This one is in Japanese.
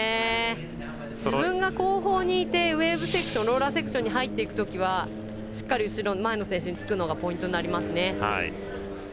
自分が後方にいてウエーブセクションローラーセクションに入っていくときはしっかり前の選手につくのがポイントになりますね。